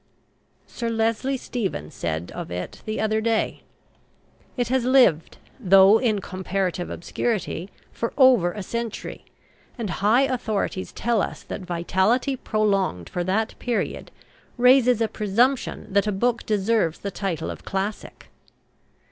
Sir Leslie Stephen said of it the other day: "It has lived though in comparative obscurity for over a century, and high authorities tell us that vitality prolonged for that period raises a presumption that a book deserves the title of classic."